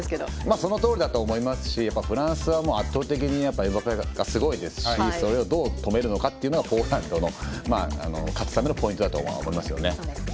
そのとおりだと思いますしフランスは圧倒的にエムバペがすごいですしそれをどう止めるのかというのがポーランドの勝つためのポイントだと思いますよね。